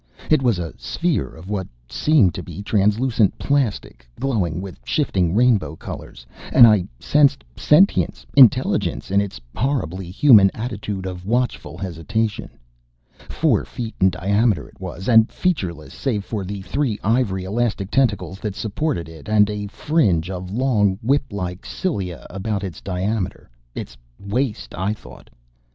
It was a sphere of what seemed to be translucent plastic, glowing with shifting rainbow colors. And I sensed sentience intelligence in its horribly human attitude of watchful hesitation. Four feet in diameter it was, and featureless save for three ivory elastic tentacles that supported it and a fringe of long, whip like cilia about its diameter its waist, I thought.